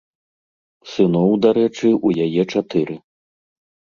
Сыноў, дарэчы, у яе чатыры.